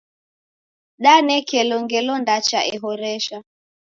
Danekelo ngelo ndacha ehoresha.